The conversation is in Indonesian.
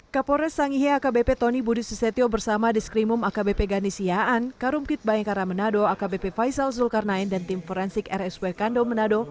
kapolres sangihe akbp tony budi susetio bersama diskrimum akbp ganisiaan karumkit bayangkara manado akbp faisal zulkarnain dan tim forensik rsw kando menado